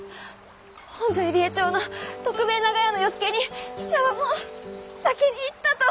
本所入江町の徳兵衛長屋の与助にひさはもう先に逝ったと。